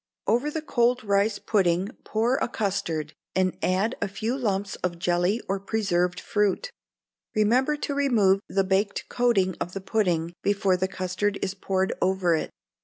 Over the cold rice pudding pour a custard, and add a few lumps of jelly or preserved fruit. Remember to remove the baked coating of the pudding before the custard is poured over it.